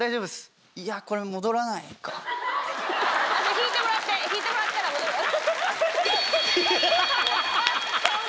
引いてもらって引いてもらったら戻るあれ？